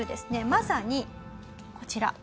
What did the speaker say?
まさにこちら。